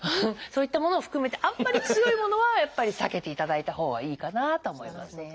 そういったものを含めてあんまり強いものはやっぱり避けていただいたほうがいいかなとは思いますね。